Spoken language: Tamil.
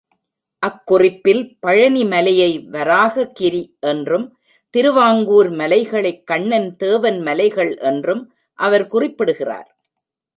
அக் குறிப்பில் பழனி மலையை வராககிரி என்றும் திருவாங்கூர் மலைகளைக் கண்ணன் தேவன் மலைகள் என்றும் அவர் குறிப்பிடுகிறார்.